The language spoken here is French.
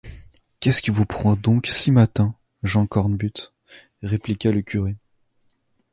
Qu’est-ce qui vous prend donc si matin, Jean Cornbutte? répliqua le curé.